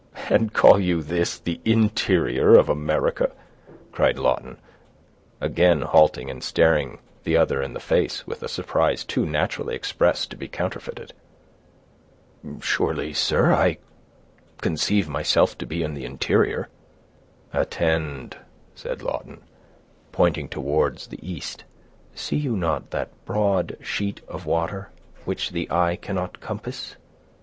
"And call you this the interior of America?" cried Lawton, again halting, and staring the other in the face, with a surprise too naturally expressed to be counterfeited. "Surely, sir, I conceive myself to be in the interior." "Attend," said Lawton, pointing towards the east. "See you not that broad sheet of water which the eye cannot compass?